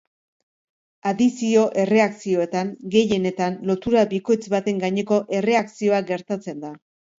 Adizio-erreakzioetan, gehienetan, lotura bikoitz baten gaineko erreakzioa gertatzen da.